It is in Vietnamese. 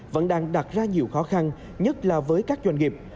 vẫn đang đặt ra nhiều khó khăn nhất là với các doanh nghiệp